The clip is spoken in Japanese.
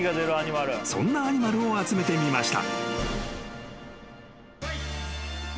［そんなアニマルを集めてみました］